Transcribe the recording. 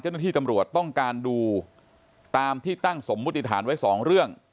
เจ้าหน้าที่ตำรวจต้องการดูตามที่ตั้งสมมุติฐานไว้สองเรื่อง